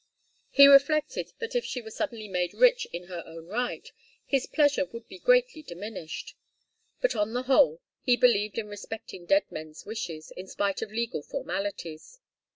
He reflected that if she were suddenly made rich in her own right, his pleasure would be greatly diminished. But on the whole, he believed in respecting dead men's wishes, in spite of legal formalities.